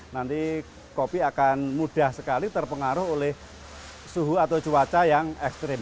nanti kopi akan mudah sekali terpengaruh oleh suhu atau cuaca yang ekstrim